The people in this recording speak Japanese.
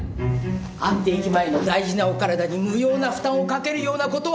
安定期前の大事なお体に無用な負担を掛けるようなことはなりません。